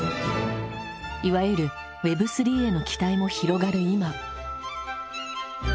いわゆるＷｅｂ３への期待も広がる今。